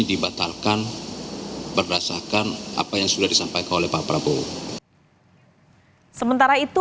dibatalkan berdasarkan apa yang sudah disampaikan oleh pak prabowo sementara itu